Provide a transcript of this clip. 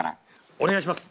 お願いします！